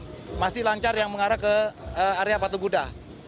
selain masih lancar yang mengarah ke area patung guda